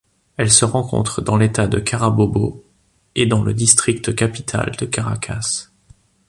Elle se rencontre dans l'État de Carabobo et dans le District capitale de Caracas.